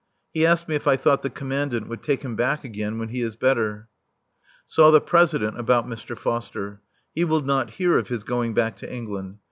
He asked me if I thought the Commandant would take him back again when he is better. Saw the President about Mr. Foster. He will not hear of his going back to England.